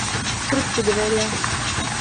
turup gidiberýär.